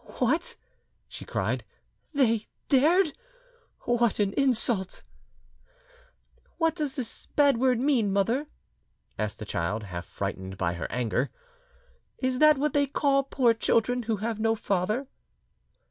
"What!" she cried, "they dared! ... What an insult!" "What does this bad word mean, mother?" asked the child, half frightened by her anger. "Is that what they call poor children who have no father?"